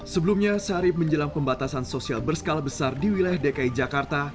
sebelumnya sehari menjelang pembatasan sosial berskala besar di wilayah dki jakarta